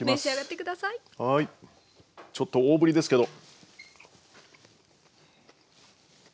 ちょっと大ぶりですけど。